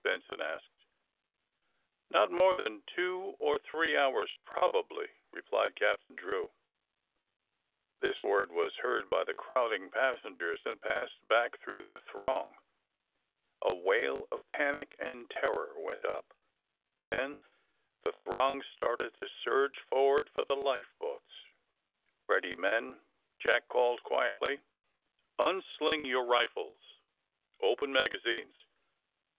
' Benson asked. *^Not more than two or three hours prob ably, '' replied Captain Drew. This word was heard by the crowding passen gers and passed back through the throng. A wail of panic and terror went up. Then the throng started to surge forward for the life boats. ^^ Ready, men," Jack called quietly. '^Un sling your rifles. Open magazines.